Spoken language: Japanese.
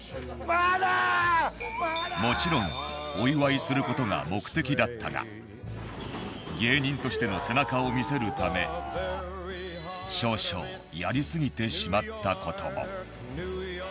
もちろんお祝いする事が目的だったが芸人としての背中を見せるため少々やりすぎてしまった事も。